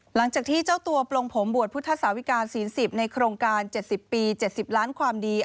หลังจากที่เจ้าตัวปลงผมบวชพุทธศาสตร์วิกาสีสิบในโครงการเจ็ดสิบปีเจ็ดสิบล้านความดี